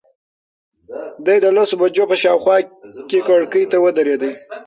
دی د لسو بجو په شاوخوا کې کړکۍ ته ودرېد.